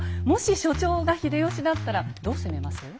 もし所長が秀吉だったらどう攻めます？